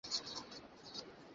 শচীশ চলিয়া গেল।